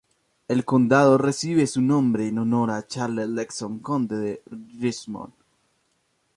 El condado recibe su nombre en honor a Charles Lenox, Conde de Richmond.